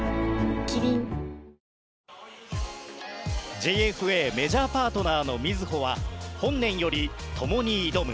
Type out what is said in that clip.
ＪＦＡメジャーパートナーのみずほは本年より「ともに挑む。